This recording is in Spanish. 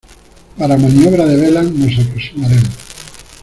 para maniobra de velas. nos aproximaremos